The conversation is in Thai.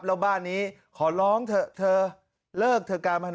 แล้วบ้านนี้ขอร้องเถอะเธอเลิกเถอะการพนัน